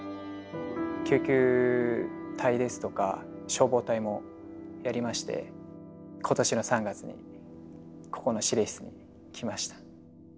救急隊ですとか消防隊もやりまして今年の３月にここの指令室に来ました。